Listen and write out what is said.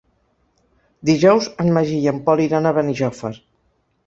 Dijous en Magí i en Pol iran a Benijòfar.